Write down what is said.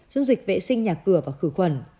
dùng dịch vệ sinh nhà cửa và khử quần